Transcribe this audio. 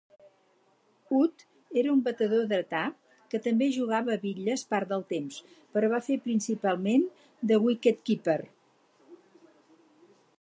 Wood era un batedor dretà que també jugaba a bitlles part del temps, però va fer principalment de wicketkeeper.